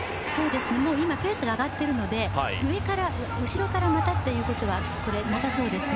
ペースが上がっているので後ろからまたっていうことはなさそうですね。